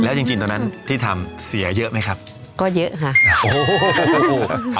แล้วจริงจริงตอนนั้นที่ทำเสียเยอะไหมครับก็เยอะค่ะโอ้โห